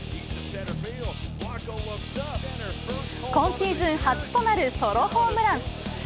今シーズン初となるソロホームラン。